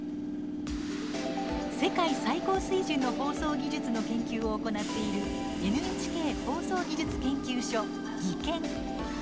世界最高水準の放送技術の研究を行っているＮＨＫ放送技術研究所、技研。